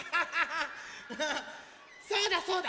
そうだそうだ！